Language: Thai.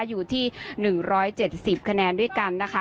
อยู่ที่๑๗๐คะแนนด้วยกันนะคะ